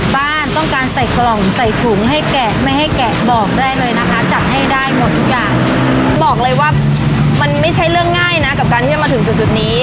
บอกเลยว่ามันไม่ใช่เรื่องง่ายนะกับการที่จะมาถึงจุดนี้